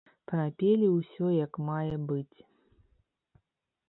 Прапелі ўсё як мае быць.